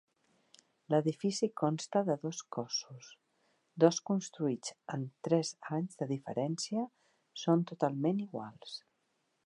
L'edifici consta de dos cossos, dos construïts en tres anys de diferència són totalment iguals.